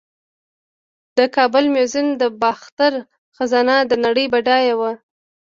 د کابل میوزیم د باختر خزانه د نړۍ بډایه وه